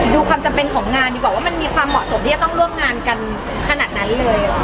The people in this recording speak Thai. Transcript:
ความจำเป็นของงานดีกว่าว่ามันมีความเหมาะสมที่จะต้องร่วมงานกันขนาดนั้นเลยเหรอ